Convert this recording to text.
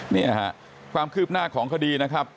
นี่ค่ะความคืบหน้าของคดีนะครับ